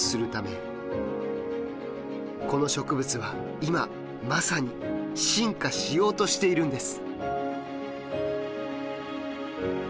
この植物は今まさに進化しようとしているんです。